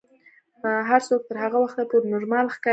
هر څوک تر هغه وخته پورې نورمال ښکاري.